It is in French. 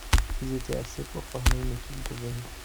Ils étaient assez pour former une équipe de volley.